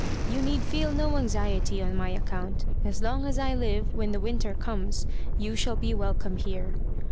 You need feel no anxiety on my account. As long as I live, when the winter comes, you shall be welcome here."